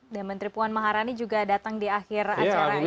dan menteri puan maharani juga datang di akhir acara event itu